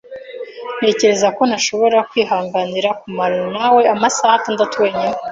Ntekereza ko ntashobora kwihanganira kumarana nawe amasaha atandatu wenyine.